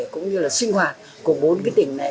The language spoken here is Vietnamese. cũng như là sinh hoạt của bốn cái tỉnh này